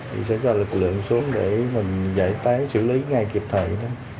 thì sẽ cho lực lượng xuống để mình giải tái xử lý ngay kịp thời đó